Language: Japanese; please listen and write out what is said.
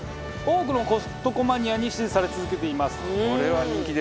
多くのコストコマニアに支持され続けています。